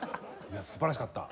素晴らしかった。